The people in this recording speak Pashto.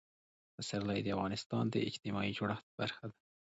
پسرلی د افغانستان د اجتماعي جوړښت برخه ده.